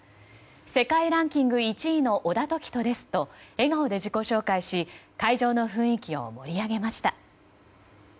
世界ランキング１位の小田凱人ですと笑顔で自己紹介し会場の雰囲気を盛り上げました。